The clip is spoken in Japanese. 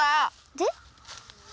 で。